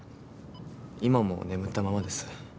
今も眠ったままです。